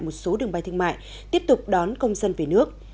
một số đường bay thương mại tiếp tục đón công dân về nước